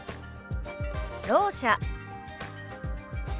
「ろう者」。